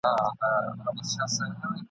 چي پخوا به یې مېړه څنګ ته ویده وو !.